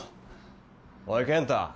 おい健太。